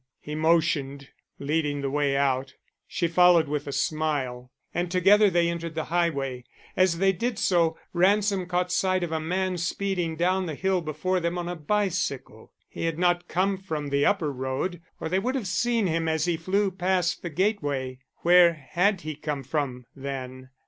he motioned, leading the way out. She followed with a smile, and together they entered the highway. As they did so, Ransom caught sight of a man speeding down the hill before them on a bicycle. He had not come front the upper road, or they would have seen him as he flew past the gateway. Where had he come from, then?